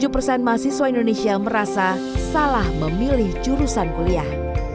tujuh persen mahasiswa indonesia merasa salah memilih jurusan kuliah